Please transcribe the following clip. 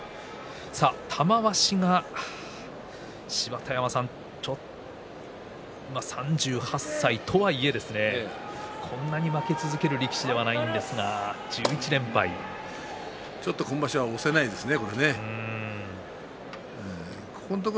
玉鷲がちょっと３８歳とはいえこんなに負け続ける力士ではちょっと今場所は押せないですね。